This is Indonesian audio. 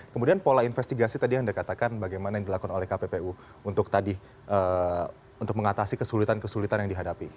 kemudian pola investigasi tadi yang dikatakan bagaimana yang dilakukan oleh kppu untuk mengatasi kesulitan kesulitan yang dihadapi